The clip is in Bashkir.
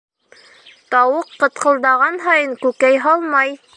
Тауыҡ ҡытҡылдаған һайын күкәй һалмай.